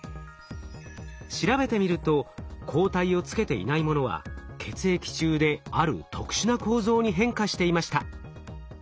調べてみると抗体をつけていないものは血液中である特殊な構造に変化していました。